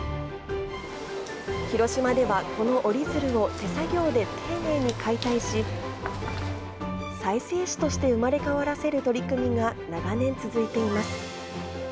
広島ではこの折り鶴を手作業で丁寧に解体し、再生紙として生まれ変わらせる取り組みが長年続いています。